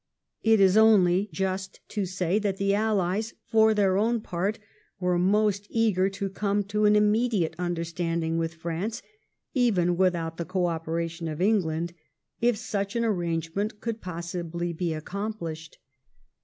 It is only just to say that the AUies, for their own part, were most eager to come to an immediate understanding with France, even without the co operation of England, if such an arrangement could possibly be accomplished.